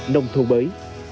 nông thôn mới